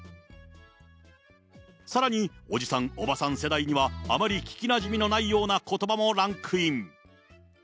さらに、おじさん、おばさん世代にはあまり聞きなじみのないようなことばもランクイン。